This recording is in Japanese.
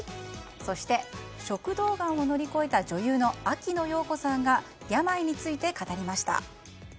そして食道がんを乗り越えた女優の秋野暢子さんが病について語りました。